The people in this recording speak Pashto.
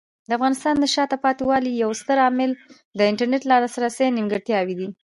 د افغانستان د شاته پاتې والي یو ستر عامل د انټرنیټ لاسرسي نیمګړتیاوې دي.